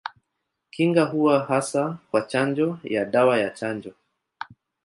Kinga huwa hasa kwa chanjo ya dawa ya chanjo.